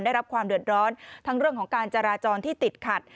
ได้รับความเดือดร้อนทั้งเรื่องของการจราจรที่ติดขัด